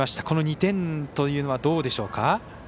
この２点というのはどうでしょうか？